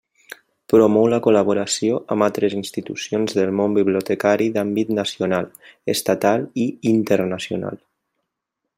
Promou la col·laboració amb altres institucions del món bibliotecari d'àmbit nacional, estatal i internacional.